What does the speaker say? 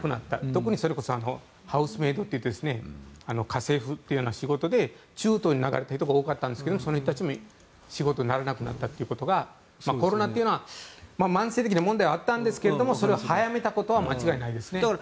特にハウスメートといって家政婦というような仕事で中東に流れている人が多かったんですがそれに対しても仕事にならなくなったということでコロナというのは慢性的な問題はあったんですがそれを早めたことは間違いないですね。